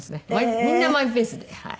みんなマイペースで。